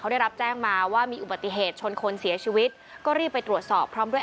ได้รับแจ้งมาว่ามีอุบัติเหตุชนคนเสียชีวิตก็รีบไปตรวจสอบพร้อมด้วย